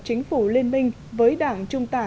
chính phủ liên minh với đảng trung tả